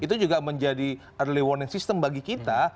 itu juga menjadi early warning system bagi kita